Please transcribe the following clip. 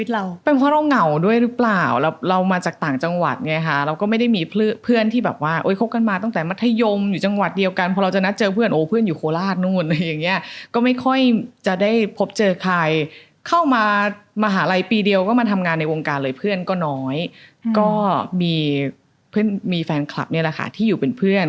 เราเป็นเพราะเราเหงาด้วยหรือเปล่าแล้วเรามาจากต่างจังหวัดไงค่ะเราก็ไม่ได้มีเพื่อนที่แบบว่าคบกันมาตั้งแต่มัธยมอยู่จังหวัดเดียวกันพอเราจะนัดเจอเพื่อนโอ้เพื่อนอยู่โคราชนู่นอะไรอย่างเงี้ยก็ไม่ค่อยจะได้พบเจอใครเข้ามามหาลัยปีเดียวก็มาทำงานในวงการเลยเพื่อนก็น้อยก็มีเพื่อนมีแฟนคลับเนี่ยแหละค่ะที่อยู่เป็นเพื่อน